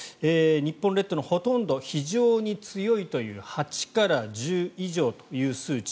日本列島のほとんど非常に強いという８から１０以上という数値。